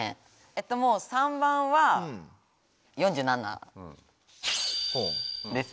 えっともう３番は４７です。